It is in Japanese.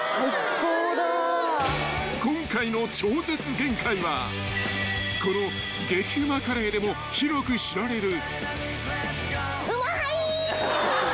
［今回の『超絶限界』はこの激うまカレーでも広く知られる］